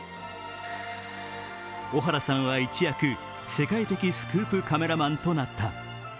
小原さんは一躍世界的スクープカメラマンとなった。